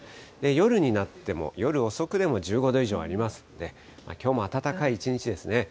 夜になっても、夜遅くでも１５度以上ありますので、きょうも暖かい一日ですね。